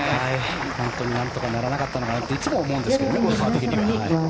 本当に何とかならなかったんかなっていつも思うんですけどね。